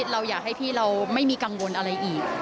เราอยากให้พี่เราไม่มีกังวลอะไรอีก